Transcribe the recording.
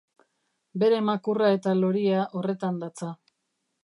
Bere makurra eta loria horretan datza.